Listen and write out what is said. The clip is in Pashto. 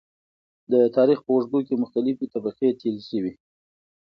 د تاريخ په اوږدو کې مختلفې طبقې تېرې شوي .